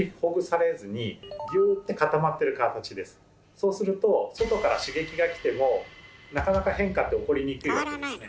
そうすると外から刺激が来てもなかなか変化って起こりにくいわけですね。